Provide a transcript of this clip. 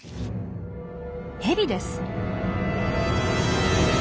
ヘビです！